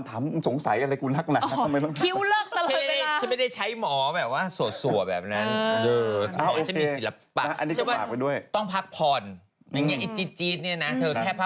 แต่ไม่ใช่แบบพี่มานะครับไปถึงหางตาเคลื่อนอะไรนี้นะคะ